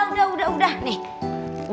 udah udah udah nih